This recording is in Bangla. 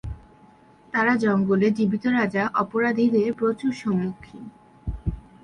তারা জঙ্গলে জীবিত রাজা অপরাধীদের প্রচুর সম্মুখীন।